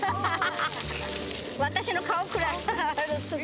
私の顔くらいある。